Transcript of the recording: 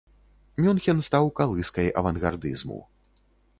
Мюнхен стаў калыскай авангардызму.